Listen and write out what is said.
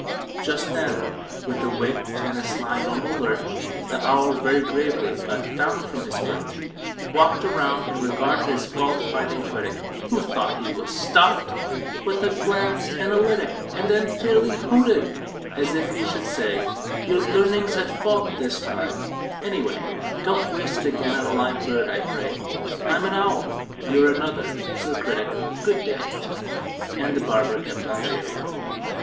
Just then, with a wink and a sly normal lurch, The owl, very gravely, got down from his perch, Walked round, and regarded his fault finding critic (Who thought he was stuffed) with a glance analytic, And then fairly hooted, as if he should say: "Your learning's at fault this time, any way; Don't waste it again on a live bird, I pray. I'm an owl; you're another. Sir Critic, good day!" And the barber kept on shaving.